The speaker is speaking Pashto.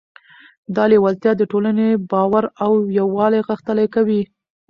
دا لیوالتیا د ټولنې باور او یووالی غښتلی کوي.